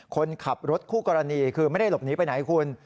คนขับรถคู่กรณีคือไม่ได้หลบหนีไปไหนคุณ